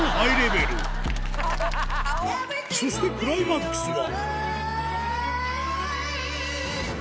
そしてクライマックスは